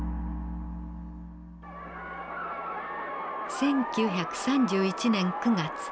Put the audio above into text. １９３１年９月。